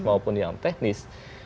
maupun yang teknis